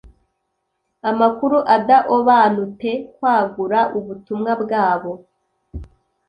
amakuru adaobanute kwagura ubutumwa bwabo